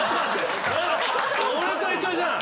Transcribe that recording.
俺と一緒じゃん。